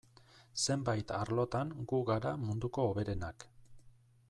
Zenbait arlotan gu gara munduko hoberenak.